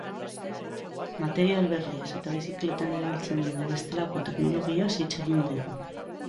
Material berriez eta bizikletan erabiltzen den bestelako teknologiaz hitz egingo dugu.